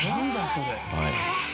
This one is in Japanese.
それ。